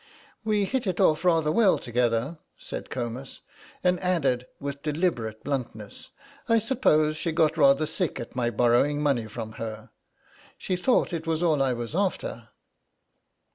"We hit it off rather well together," said Comus, and added with deliberate bluntness, "I suppose she got rather sick at my borrowing money from her. She thought it was all I was after."